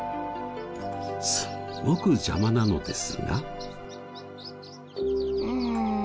すごく邪魔なのですが。